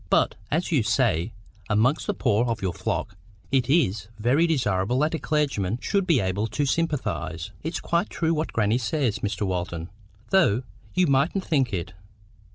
But, as you say, amongst the poor of your flock,—it IS very desirable that a clergyman should be able to sympathise." "It's quite true what grannie says, Mr. Walton, though you mightn't think it.